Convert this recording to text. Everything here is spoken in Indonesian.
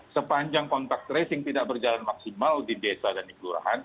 sepanjang kontak tracing tidak berjalan maksimal di desa dan di kelurahan